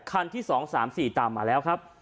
คันที่๒๓๔ตามมาแล้วครับ